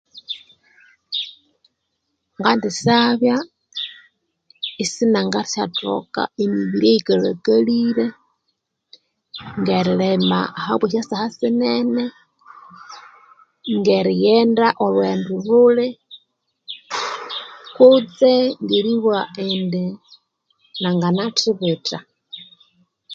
Ngandisabya isinangasyathoka emibiri eyikalhkalire ngeririma habwa esisaha sinene ngsrghenda olhughendo lhuli kutse ngeribugha indi nanganathibitha